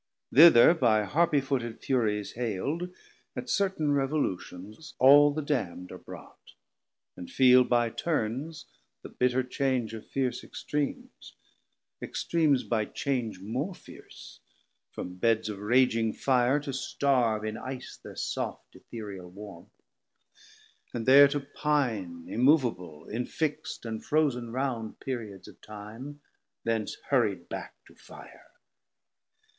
Thither by harpy footed Furies hail'd, At certain revolutions all the damn'd Are brought: and feel by turns the bitter change Of fierce extreams, extreams by change more fierce, From Beds of raging Fire to starve in Ice 600 Thir soft Ethereal warmth, and there to pine Immovable, infixt, and frozen round, Periods of time, thence hurried back to fire.